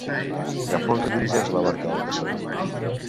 Cap on redirigeix la barca el caçador?